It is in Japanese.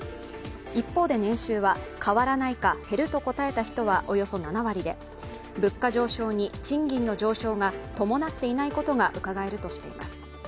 一方で、年収は変わらないか減ると答えた人は、およそ７割で、物価上昇に賃金の上昇が伴っていないことがうかがえるとしています。